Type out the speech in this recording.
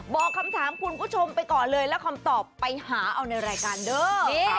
บอกคำถามคุณผู้ชมไปก่อนเลยแล้วคำตอบไปหาเอาในรายการเด้อ